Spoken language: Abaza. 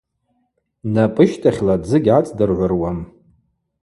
Напӏыщтахьла дзы гьгӏацӏдыргӏвыруам.